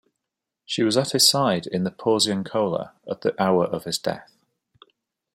She was at his side in the Porziuncola at the hour of his death.